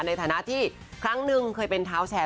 ในฐานะที่ครั้งหนึ่งเคยเป็นเท้าแชร์